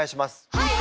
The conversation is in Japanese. はい！